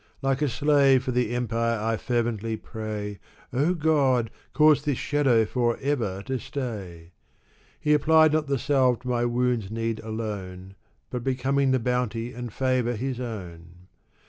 Like a slave, for the empire I fervently pray :" O God, cause this shadow forever to stay !" He applied not the salve to my wound's need alone. But becoming the bounty and favor his own.